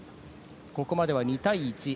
ここまでは２対１。